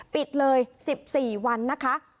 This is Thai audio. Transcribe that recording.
ปิดเลย๑๔วันนะคะ